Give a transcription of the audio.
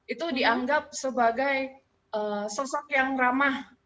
itu dianggap sebagai sosok yang ramah